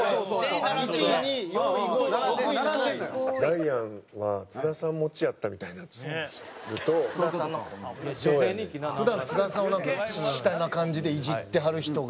濱家：ダイアンは津田さん持ちやったみたいなんですよ。山内：普段、津田さんは下な感じでイジってはる人が。